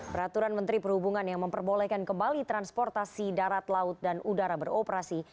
peraturan menteri perhubungan yang memperbolehkan kembali transportasi darat laut dan udara beroperasi